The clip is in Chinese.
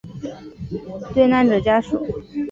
对罹难者家属